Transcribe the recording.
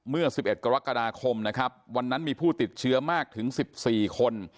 เมื่อ๑๑กรกฎาคมนะครับวันนั้นมีผู้ติดเชื้อมากถึง๑๔คน